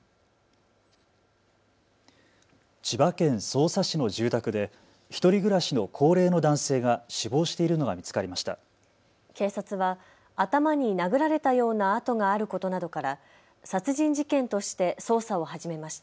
千葉県匝瑳市の住宅で１人暮らしの高齢の男性が死亡しているのが見つかりました。